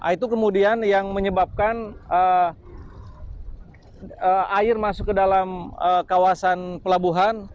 itu kemudian yang menyebabkan air masuk ke dalam kawasan pelabuhan